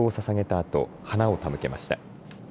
あと花を手向けました。